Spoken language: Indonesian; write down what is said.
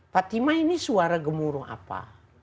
fatima ini suara gemuruh apa